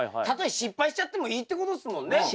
たとえ失敗しちゃってもいいってことですもんね？